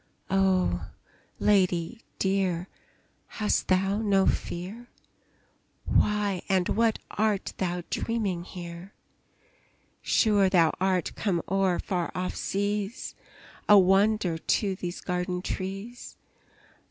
Oh, lady dear, hast thou no fear? Why and what art thou dreaming here? Sure thou art come o'er far off seas, A wonder to these garden trees!